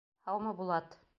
Һаумы, Булат?